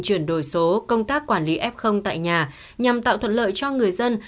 chuyển đổi số công tác quản lý f tại nhà nhằm tạo thuận lợi cho người dân